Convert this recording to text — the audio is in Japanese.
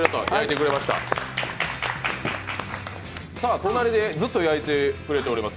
隣でずっと焼いてくれてます